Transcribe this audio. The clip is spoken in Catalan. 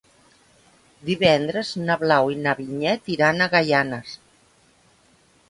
Divendres na Blau i na Vinyet iran a Gaianes.